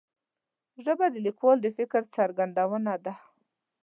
ژبه د لیکوال د فکر څرګندونه ده